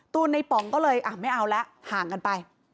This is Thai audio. ในป๋องก็เลยไม่เอาแล้วห่างกันไป